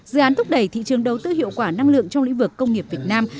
dự án thúc đẩy thị trường đầu tư hiệu quả năng lượng trong lĩnh vực công nghiệp việt nam